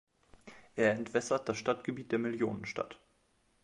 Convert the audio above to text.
Er entwässert das Stadtgebiet der Millionenstadt.